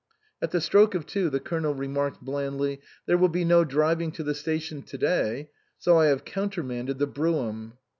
At the stroke of two the Colonel remarked blandly, " There will be no driving to the station to day, so I have countermanded the brougham."